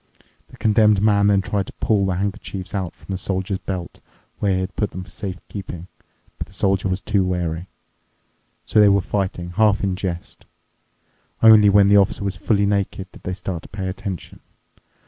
The Condemned Man then tried to pull the handkerchiefs out from the Soldier's belt, where he had put them for safe keeping, but the Soldier was too wary. So they were fighting, half in jest. Only when the Officer was fully naked did they start to pay attention.